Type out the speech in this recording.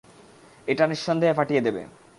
এটা নিঃসন্দেহে ফাটিয়ে দেবে!